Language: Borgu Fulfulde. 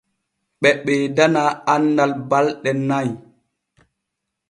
Ɓe ɓeydana annal ɓalɗe nay.